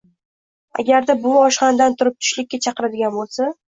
Agarda buvi oshxonadan turib, tushlikka chaqiradigan bo‘lsa